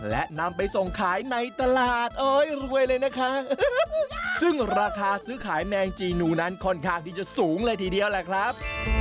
และนำไปส่งขายในตลาดเอ้ยรวยเลยนะคะซึ่งราคาซื้อขายแมงจีนูนั้นค่อนข้างที่จะสูงเลยทีเดียวแหละครับ